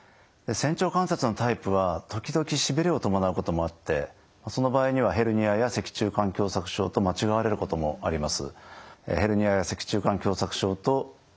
仙腸関節のタイプは時々しびれを伴うこともあってその場合にはヘルニアや脊柱管狭窄症と間違われることもあります。